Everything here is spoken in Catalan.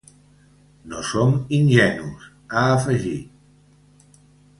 No som ingenus, ha afegit.